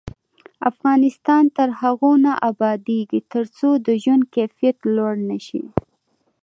افغانستان تر هغو نه ابادیږي، ترڅو د ژوند کیفیت لوړ نشي.